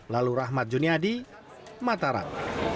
lalu rahmat juniadi mataram